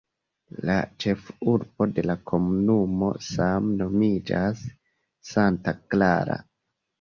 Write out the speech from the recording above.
La ĉefurbo de la komunumo same nomiĝas "Santa Clara".